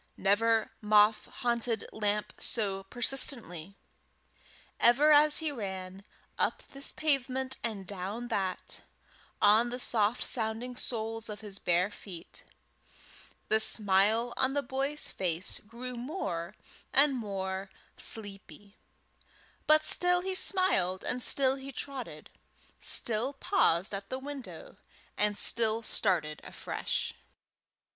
Never moth haunted lamp so persistently. Ever as he ran, up this pavement and down that, on the soft sounding soles of his bare feet, the smile on the boy's face grew more and more sleepy, but still he smiled and still he trotted, still paused at the window, and still started afresh.